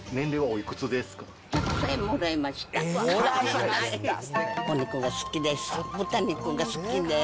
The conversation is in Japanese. お肉が好きです。